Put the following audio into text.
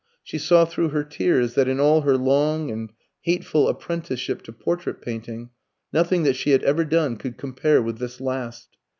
She saw through her tears that in all her long and hateful apprenticeship to portrait painting, nothing that she had ever done could compare with this last.